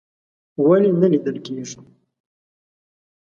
ولې نه لیدل کیږي؟